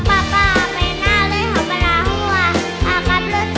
ก็ต้องกลัวหัวเลยก็เลยครับ